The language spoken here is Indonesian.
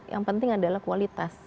yang penting adalah kualitas